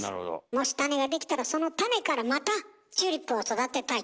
もし種が出来たらその種からまたチューリップを育てたいと。